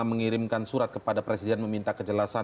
mengirimkan surat kepada presiden meminta kejelasan